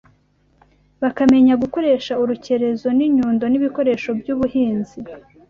bakamenya gukoresha urukerezo n’inyundo n’ibikoresho by’ubuhinzi